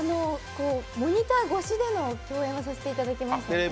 モニター越しでの共演はさせていただきました。